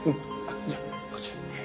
じゃあこちらへ。